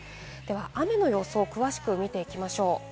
雨の予想を詳しく見ていきましょう。